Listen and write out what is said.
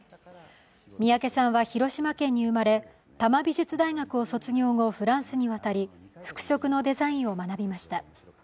三宅さんは広島県に生まれ多摩美術大学を卒業後フランスに渡り、服飾のデザインを学びました。